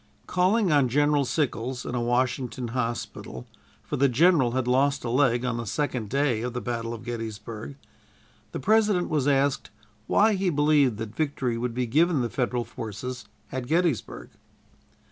Calling on General Sickles, in a Washington hospital for the general had lost a leg on the second day of the battle of Gettysburg the President was asked why he believed that victory would be given the Federal forces at Gettysburg.